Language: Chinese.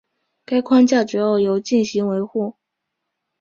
该框架主要由进行维护。